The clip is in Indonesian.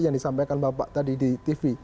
yang disampaikan bapak tadi di tv